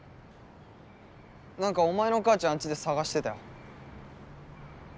なんかお前の母ちゃんあっちで捜してたよ。